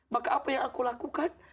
maka apa yang aku lakukan